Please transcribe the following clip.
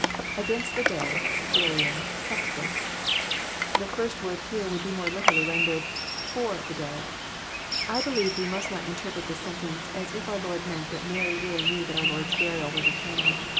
lAgainst tJ^e day,., burying. ..kept this.'] The first word here would be more literally rendered, for " the day. I believe we must not interpret this sentence as if our Lord meant that Mary really knew that our Lord^s burial was at hand.